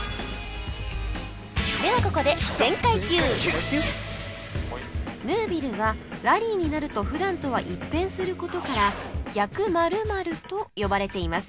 ではここでヌービルはラリーになると普段とは一変する事から逆○○と呼ばれています